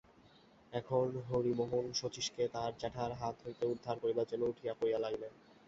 এখন হরিমোহন শচীশকে তার জ্যাঠার হাত হইতে উদ্ধার করিবার জন্য উঠিয়া-পড়িয়া লাগিলেন।